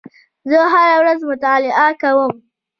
زه هره ورځ مطالعه کوم.